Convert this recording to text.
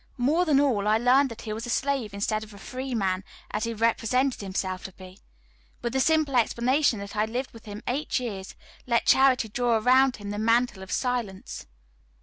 More than all, I learned that he was a slave instead of a free man, as he represented himself to be. With the simple explanation that I lived with him eight years, let charity draw around him the mantle of silence.